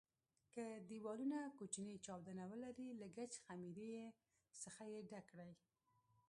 که دېوالونه کوچني چاودونه ولري له ګچ خمېرې څخه یې ډک کړئ.